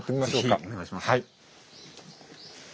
是非お願いします。